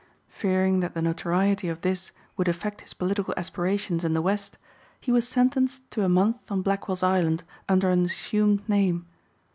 Fearing that the notoriety of this would affect his political aspirations in the west he was sentenced to a month on Blackwell's Island under an assumed name.